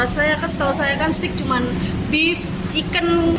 saya kan setahu saya kan stick cuma beef chicken